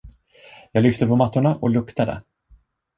Jag lyfte på mattorna och luktade.